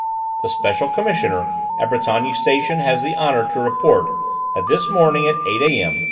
"The special commissioner at Brétigny station has the honour to report that this morning at 8 A.M.